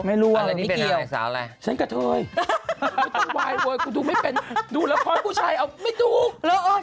ไม่รู้ว่าไม่เกี่ยว